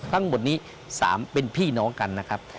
ทั้งหมดนี้๓เป็นพี่น้องกันนะครับ